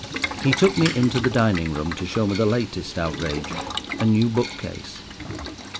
He took me into the dining room to show me the latest outrage—a new book case.